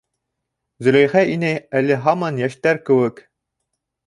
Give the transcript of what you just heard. — Зөләйха инәй әле һаман йәштәр кеүек.